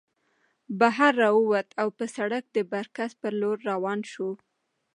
بهر راووتو او پۀ سړک د برکڅ په لور روان شو